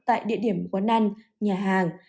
tại địa điểm quán ăn nhà hàng